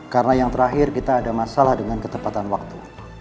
karena yang terakhir kita ada masalah dengan ketepatan waktu